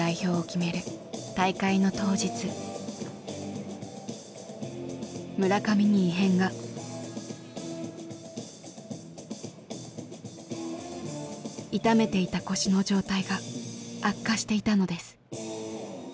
痛めていた腰の状態が悪化していたのです。